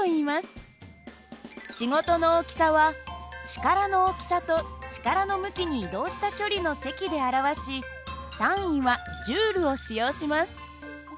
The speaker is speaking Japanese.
仕事の大きさは力の大きさと力の向きに移動した距離の積で表し単位はＪを使用します。